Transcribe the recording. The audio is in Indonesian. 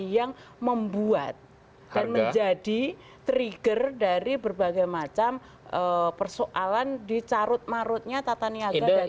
yang membuat dan menjadi trigger dari berbagai macam persoalan di carut marutnya tata niaga